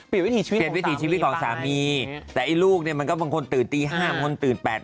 พี่ป๊อกก็เตื่อเตือนเช้าอื่นก็แบบ